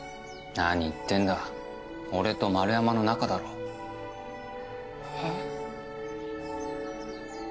何言ってんだ俺と丸山の仲だろ。え？